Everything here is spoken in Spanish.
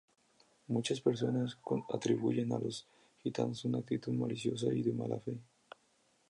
Muchas personas atribuyen a los gitanos una actitud maliciosa y de mala fe.